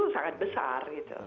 dan itu sangat besar